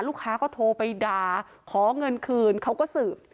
ลูกค้าก็โทรไปด่าขอเงินคืนเขาก็สืบ